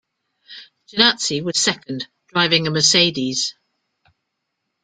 Jenatzy was second, driving a Mercedes.